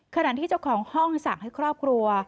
ขณะที่เจ้าของห้องสั่งให้ครอบครัว